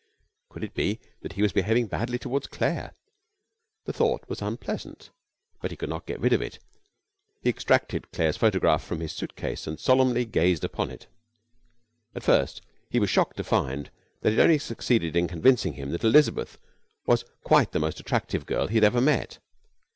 Could it be that he was behaving badly toward Claire? The thought was unpleasant, but he could not get rid of it. He extracted Claire's photograph from his suit case and gazed solemnly upon it. At first he was shocked to find that it only succeeded in convincing him that Elizabeth was quite the most attractive girl he ever had met.